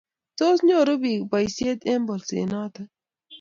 tos nyoru biik boisiet eng' bolset noto?